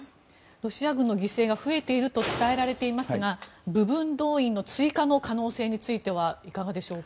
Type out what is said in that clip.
ロシア軍の犠牲が増えていると伝えられていますが部分動員の追加の可能性はいかがでしょうか？